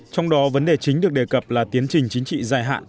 trong đó vấn đề chính được đề cập là tiến trình chính trị dài hạn